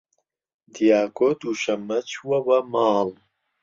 دیاکۆ دووشەممە چووەوە ماڵ.